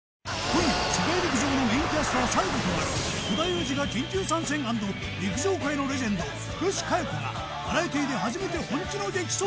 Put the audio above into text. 今夜世界陸上のメインキャスター最後となる織田裕二が緊急参戦＆陸上界のレジェンド福士加代子がバラエティで初めて本気の激走